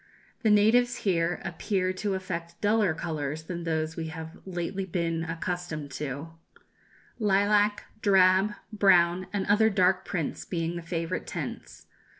The natives here appear to affect duller colours than those we have lately been accustomed to lilac, drab, brown, and other dark prints being the favourite tints.